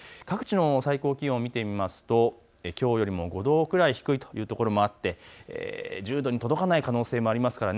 各地の最高気温を見てみるときょうより５度くらい低いというところもあって、１０度に届かない可能性もあります。